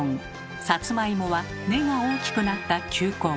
さつまいもは根が大きくなった球根。